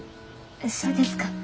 そうですか。